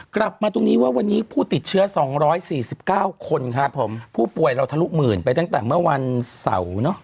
กลับมาตรงนี้ว่าวันนี้ผู้ติดเชื้อ๒๔๙คนครับผมผู้ป่วยเราทะลุหมื่นไปตั้งแต่เมื่อวันเสาร์เนอะ